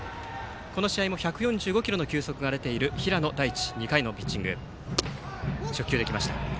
この試合も１４５キロの球速が出ている平野大地の２回のピッチング。